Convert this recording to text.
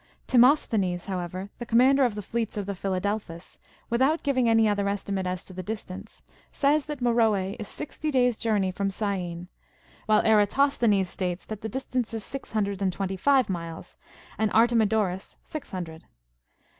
Timosthenes, however, the commander of the fleets of Philadelphus, without giving any other estimate as to the distance, says that Meroe is sixty days' journey from Syene ; while Eratosthenes states that the distance is six hundred and twenty five miles, and Artemi dorus six hundred.